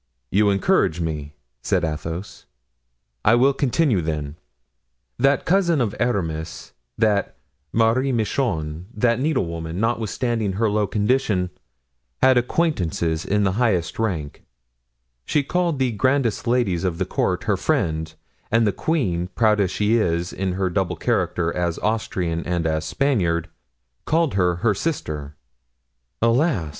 "You encourage me," said Athos, "I will continue, then. That cousin of Aramis, that Marie Michon, that needlewoman, notwithstanding her low condition, had acquaintances in the highest rank; she called the grandest ladies of the court her friend, and the queen—proud as she is, in her double character as Austrian and as Spaniard—called her her sister." "Alas!"